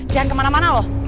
jangan kemana mana loh